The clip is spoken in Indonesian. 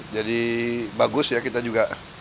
jadi bagus ya kita juga